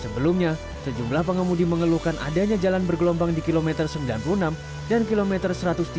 sebelumnya sejumlah pengemudi mengeluhkan adanya jalan bergelombang di kilometer sembilan puluh enam dan kilometer satu ratus tiga puluh